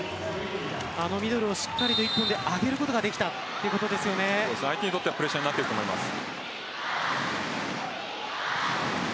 あのミドルをしっかりと１本で上げることができた相手にとってはプレッシャーになっていると思います。